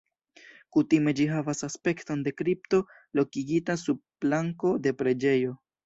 Kutime ĝi havas aspekton de kripto lokigita sub planko de preĝejo.